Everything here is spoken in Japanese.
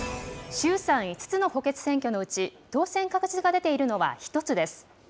衆参５つの補欠選挙のうち、当選確実が出ているのは１つです。